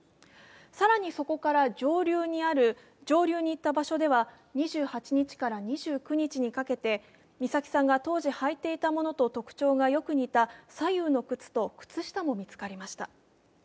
更にそこから上流に行った場所では２８日から２９日にかけて、美咲さんが当時履いていたものと特徴がよく似た左右の靴と靴下も見つかりました。